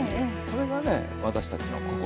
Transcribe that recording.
それがね私たちの心。